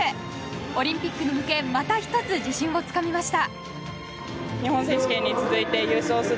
オリンピックに向けまた１つ自信をつかみました。